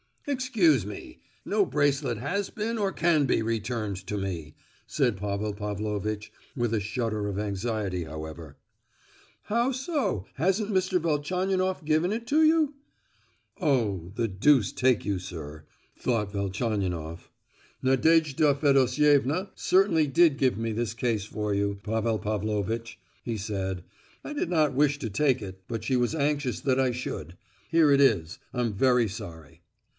"Excuse me, no bracelet has been, or can be returned to me," said Pavel Pavlovitch, with a shudder of anxiety, however. "How so? hasn't Mr. Velchaninoff given it to you?" "Oh, the deuce take you, sir," thought Velchaninoff. "Nadejda Fedosievna certainly did give me this case for you, Pavel Pavlovitch," he said; "I did not wish to take it, but she was anxious that I should: here it is, I'm very sorry."